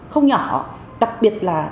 không nhỏ đặc biệt là